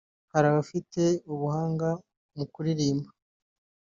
Hari abafite ubuhanga mu kuririmba